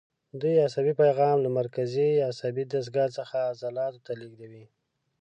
دوی عصبي پیغام له مرکزي عصبي دستګاه څخه عضلاتو ته لېږدوي.